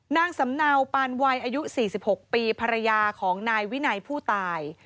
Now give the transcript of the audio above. นางสำเนาปานวัยอายุ๔๖ปีภรรยาของนายวินัยผู้ตาย